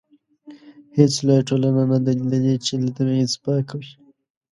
هیڅ لویه ټولنه نه ده لیدلې چې له تبعیض پاکه وي.